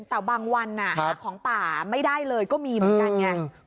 แต่บางวันหาของป่าไม่ได้เลยก็มีเหมือนกันไง